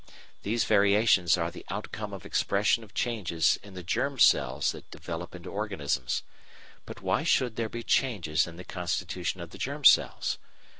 These variations are the outcome of expression of changes in the germ cells that develop into organisms. But why should there be changes in the constitution of the germ cells?